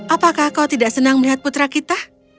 apakah kau tidak senang melihat putra kita